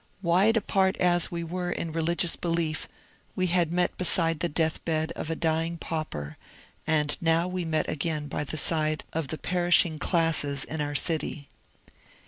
Wide apart as we were in religious belief, we had met beside the death bed of a dying pauper, and now we met again by the side of the perishing classes in our city.